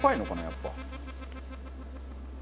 やっぱ。